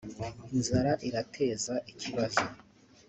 inzara irateza ikibazo